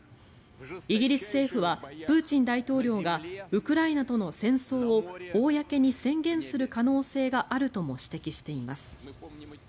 イギリス政府はプーチン大統領がウクライナとの戦争を公に宣言する可能性があるとも指摘しています。